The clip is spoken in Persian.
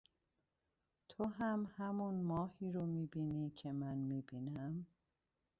تو هم همون ماهی رو میبینی که من میبینم؟